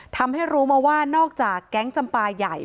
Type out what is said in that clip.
ทำให้รู้มาว่านอกจากแก๊งจำปลาใหญ่